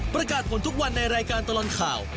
ประกาศผลทุกวันในรายการตลอดข่าว